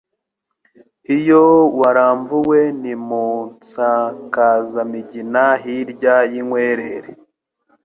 Iyo waramvuwe ni mu nsakazamigina hirya y'inkwerere.